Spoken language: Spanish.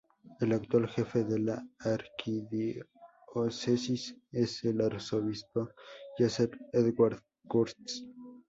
El actual jefe de la Arquidiócesis es el arzobispo Joseph Edward Kurtz.